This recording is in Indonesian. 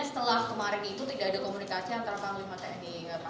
setelah kemarin itu tidak ada komunikasi antara panglima tni pak gatot dengan pihak amerika serikat